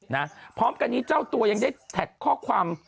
นะพร้อมกันนี้เจ้าตัวยังได้แท็กข้อความ